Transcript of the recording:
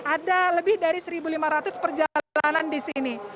ada lebih dari satu lima ratus perjalanan di sini